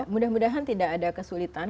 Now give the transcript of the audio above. mudah mudahan tidak ada kesulitan